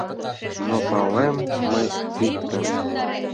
Но палем мый иктым